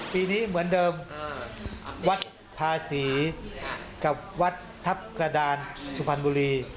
ปีนี้เหมือนเดิมวัดภาษีกับวัดทัพกระดานสุพรรณบุรี